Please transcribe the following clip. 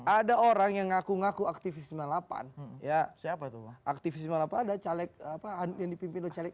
ada orang yang ngaku ngaku aktivisme delapan ya siapa tuh aktivis merah pada caleg apaan dipimpin caleg